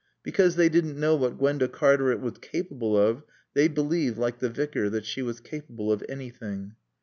Because they didn't know what Gwenda Cartaret was capable of, they believed, like the Vicar, that she was capable of anything.